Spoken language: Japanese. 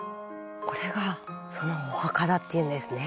これがそのお墓だっていうんですね。